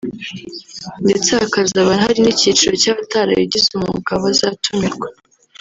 ndetse hakazaba hari n’icyiciro cy’abatarabigize umwuga bazatumirwa